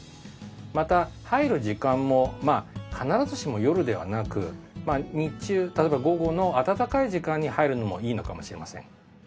また入る時間も必ずしも夜ではなく日中例えば午後の暖かい時間に入るのもいいのかもしれません。